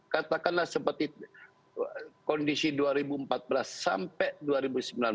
katakanlah seperti kondisi dua ribu empat belas sampai dua ribu sembilan belas